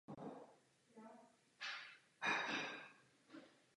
Nicméně přesto lituji v některých otázkách nedostatečnou vyváženost tohoto textu.